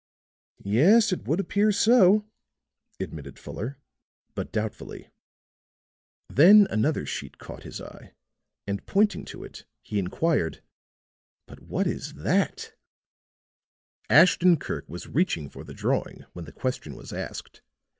"Yes, it would appear so," admitted Fuller, but doubtfully. Then another sheet caught his eye and pointing to it, he inquired: "But what is that?" Ashton Kirk was reaching for the drawing when the question was asked.